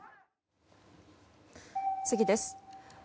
次です。